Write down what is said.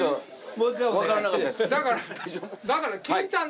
だから。